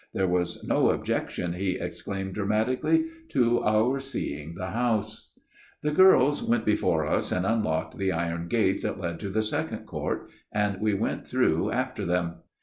There was no objection, he exclaimed dramatically, to our seeing the house !" The girls went before us, and unlocked the iron gate that led to the second court ; and we went through after them.